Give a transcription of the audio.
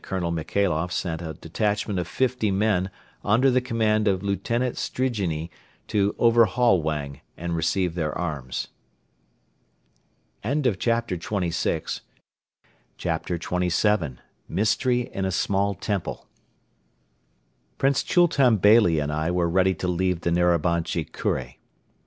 Colonel Michailoff sent a detachment of fifty men under the command of Lieutenant Strigine to overhaul Wang and receive their arms. CHAPTER XXVII MYSTERY IN A SMALL TEMPLE Prince Chultun Beyli and I were ready to leave the Narabanchi Kure.